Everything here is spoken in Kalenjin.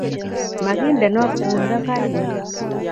Magindenok tuindo kaigeny